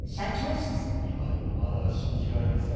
今でもまだ信じられません。